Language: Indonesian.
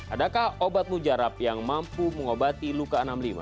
adakah obat mujarab yang mampu mengobati luka enam puluh lima